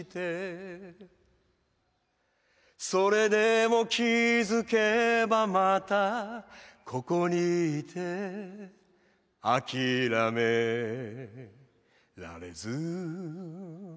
「それでも気づけばまたここにいて」「あきらめられず」